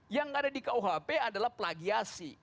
yang ada di kuhp adalah plagiasi